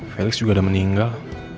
felix juga udah meninggal